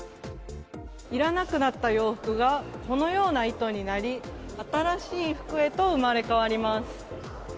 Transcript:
いらなくなった洋服がこのような糸になり新しい服へと生まれ変わります。